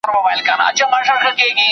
ټیټه کیفیت قصداً جوړېږي.